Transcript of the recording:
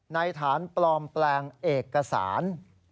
ในฐานปลอมแปลงเอกสาร